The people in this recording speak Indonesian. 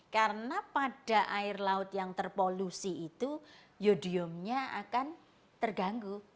karena pada air laut yang terpolusi itu yodiumnya akan terganggu